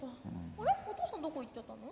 あれお父さんどこ行っちゃったの？